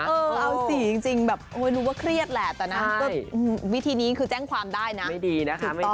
เอาสีจริงรู้ว่าเครียดแหละแต่วิธีนี้คือแจ้งความได้ถูกต้อง